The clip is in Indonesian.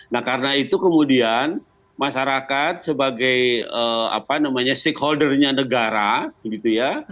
nah karena itu kemudian masyarakat sebagai apa namanya stakeholders nya negara gitu ya